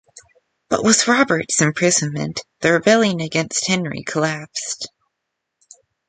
But with Robert's imprisonment the rebellion against Henry collapsed.